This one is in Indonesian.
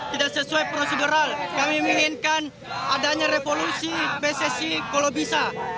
tidak sesuai prosedural kami menginginkan adanya revolusi pssi kalau bisa